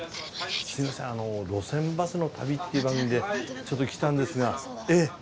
あの『路線バスの旅』っていう番組でちょっと来たんですがええ。